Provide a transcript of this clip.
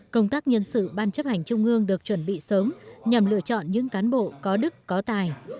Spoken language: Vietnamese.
công tác nhân sự ban chấp hành trung ương được chuẩn bị sớm nhằm lựa chọn những cán bộ có đức có tài